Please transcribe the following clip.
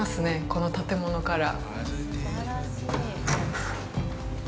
この建物から。